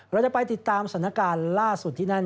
เราจะไปติดตามสถานการณ์ล่าสุดที่นั่น